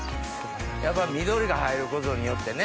やっぱ緑が入ることによってね。